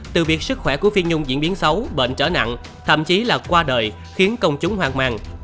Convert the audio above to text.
từ việc sức khỏe của phi nhung diễn biến xấu bệnh trở nặng thậm chí là qua đời khiến công chúng hoang mang